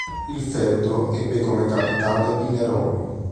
Il feudo ebbe come capitale Pinerolo.